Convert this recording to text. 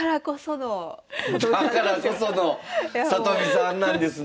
だからこその里見さんなんですね！